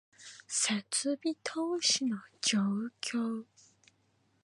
設備投資の状況